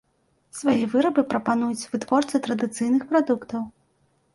Свае вырабы прапануюць вытворцы традыцыйных прадуктаў.